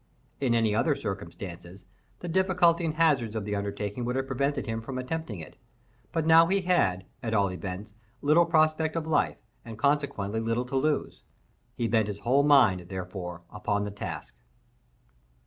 In any other circumstances, the difficulty and hazard of the undertaking would have prevented him from attempting it; but now he had, at all events, little prospect of life, and consequently little to lose, he bent his whole mind, therefore, upon the task.